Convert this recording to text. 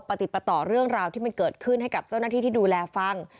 ปฏิปต่อเรื่องราวที่มันเกิดขึ้นให้กับเจ้าหน้าที่ที่ดูแลฟัง